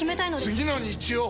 次の日曜！